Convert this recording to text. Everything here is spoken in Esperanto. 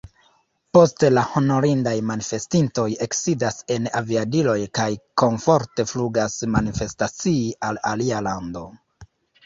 Poste la honorindaj manifestintoj eksidas en aviadilojn kaj komforte flugas manifestacii al alia lando.